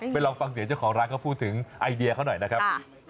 ลองฟังเสียงเจ้าของร้านเขาพูดถึงไอเดียเขาหน่อยนะครับ